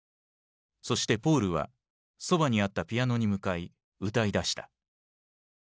そしてポールはそばにあったピアノに向かい歌いだした。